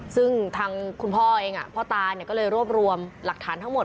ซึ่งทางคุณพ่อเองพ่อตาก็เลยรวบรวมหลักฐานทั้งหมด